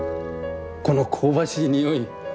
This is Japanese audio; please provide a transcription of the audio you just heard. この香ばしい匂い。